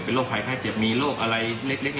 เป็นโรคภายใครเจ็บมีโรคอะไรเล็ก